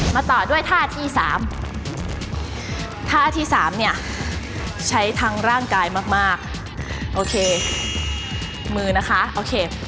ต่อด้วยท่าที่สามท่าที่สามเนี่ยใช้ทั้งร่างกายมากมากโอเคมือนะคะโอเค